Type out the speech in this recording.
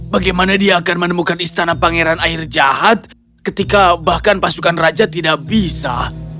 bagaimana dia akan menemukan istana pangeran air jahat ketika bahkan pasukan raja tidak bisa